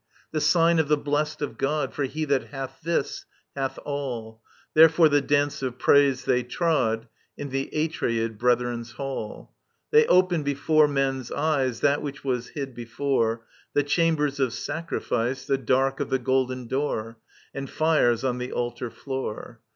The sign of the blest of God, For he that hath this, hath all !*' Therefore the dance of praise they trod In the Atreid brethren's halL They opened before men*s eyes [Antistrophe. That which was hid before. The chambers of sacrifice. The dark of the golden door. And fires on the altar floor.